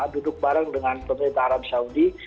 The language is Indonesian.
duduk bareng dengan pemerintah arab saudi